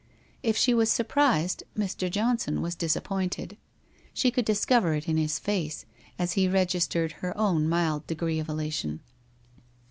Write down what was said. If she was surprised Mr. Johnson was disappointed. She could discover it in his face, as he registered her own mild degree of elation.